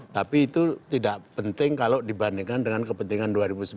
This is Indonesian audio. tapi itu tidak penting kalau dibandingkan dengan kepentingan dua ribu sembilan belas